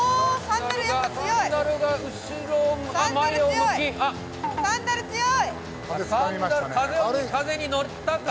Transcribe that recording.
サンダル風に乗ったか？